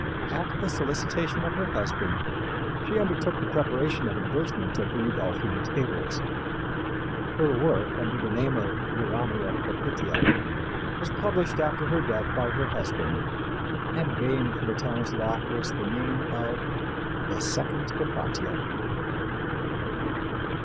At the solicitation of her husband, she undertook the preparation of an abridgment of the Rudolphine Tables. Her work, under the name of Urania Propitia, was published after her death by her husband, and gained for the talented authoress the name of "The second Hypatia."